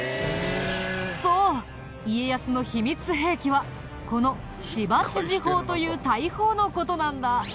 そう家康の秘密兵器はこの芝砲という大砲の事なんだ。